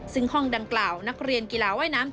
ซึ่งห้องดังกล่าวนักเรียนกีฬาว่ายน้ำ